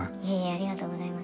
ありがとうございます。